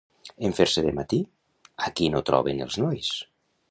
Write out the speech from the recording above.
En fer-se de matí, a qui no troben els nois?